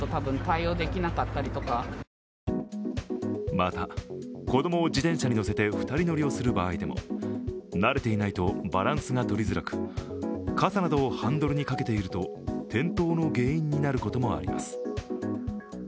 また、子供を自転車に乗せて二人乗りをする場合でも慣れていないとバランスがとりづらく傘などをハンドルにかけていると転倒の原因になることもあります。